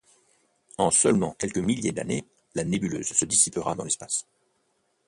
En seulement quelques milliers d'années, la nébuleuse se dissipera dans l'espace.